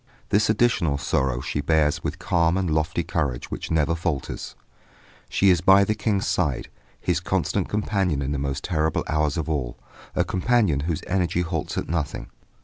This additional sorrow she bears with calm and lofty courage which never falters. She is by the King's side, his constant companion in the most terrible hours of all; a companion whose energy halts at nothing.